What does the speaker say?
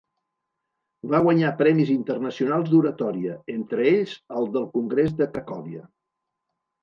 Va guanyar premis internacionals d'oratòria, entre ells el del congrés de Cracòvia.